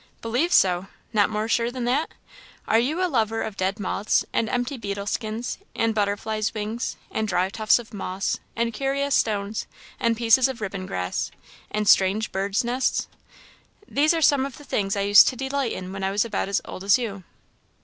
"Believe so! not more sure than that? Are you a lover of dead moths, and empty beetle skins, and butterflies' wings, and dry tufts of moss, and curious stones, and pieces of ribbon grass, and strange birds' nests? These are some of the things I used to delight in when I was about as old as you."